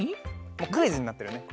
もうクイズになってるね。